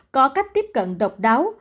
có cách tiếp cận độc đáo